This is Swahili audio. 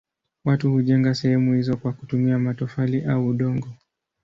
Watu hujenga sehemu hizo kwa kutumia matofali au udongo.